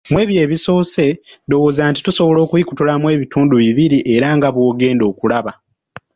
Mu ebyo ebisoose, ndowooza nti tusobola okubikutulamu ebitundu bibiri era nga bw'ogenda okulaba.